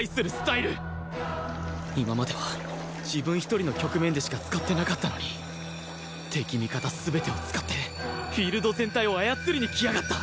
今までは自分一人の局面でしか使ってなかったのに敵味方全てを使ってフィールド全体を操りにきやがった！